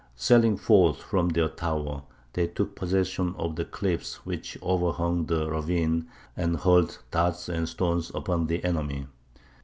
Sallying forth from their tower, they took possession of the cliffs which overhung the ravine, and hurled darts and stones upon the enemy.